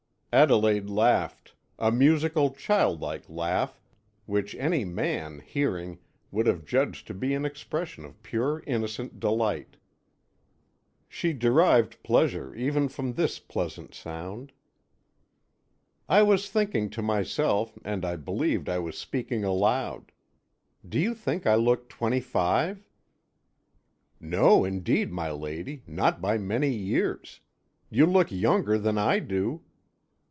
Adelaide laughed, a musical, child like laugh which any man, hearing, would have judged to be an expression of pure innocent delight. She derived pleasure even from this pleasant sound. "I was thinking to myself, and I believed I was speaking aloud. Do you think I look twenty five?" "No, indeed, my lady, not by many years. You look younger than I do."